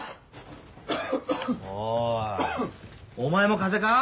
おいお前も風邪か？